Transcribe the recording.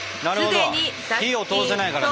なるほど火を通せないからね。